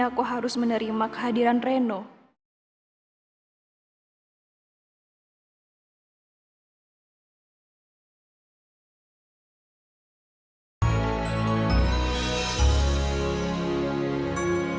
aku harus menerima kehadirannya dan